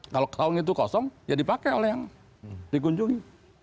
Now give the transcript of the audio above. kalau kaum itu kosong ya dipakai oleh yang dikunjungi